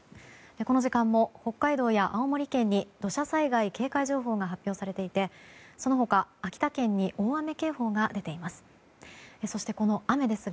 この時間も北海道や青森県に土砂災害警戒情報が発表されていてその他、秋田県に大雨警報が出ています。